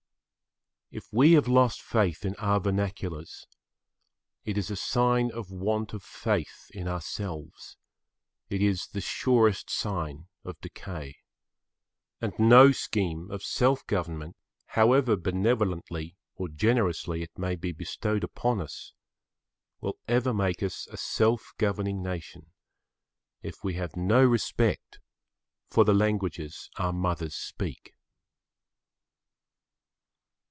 If we have lost faith in our vernaculars, it is a sign of want of faith in ourselves; it is the surest sign of decay. And no scheme of self government, however benevolently or generously it may be bestowed upon us, will ever make us a [Pg 10]self governing nation, if we have no respect for the languages our mothers speak.